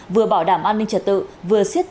vừa bảo đảm an ninh trật tự vừa sử dụng các biện pháp